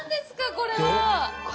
これは！